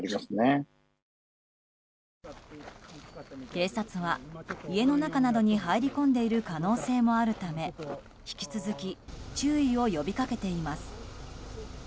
警察は家の中などに入り込んでいる可能性もあるため引き続き注意を呼び掛けています。